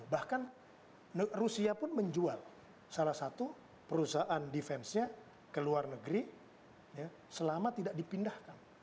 bahkan rusia pun menjual salah satu perusahaan defense nya ke luar negeri selama tidak dipindahkan